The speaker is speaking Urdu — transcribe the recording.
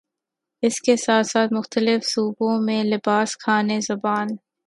اس کے ساتھ ساتھ مختلف صوبوں میں لباس، کھانے، زبان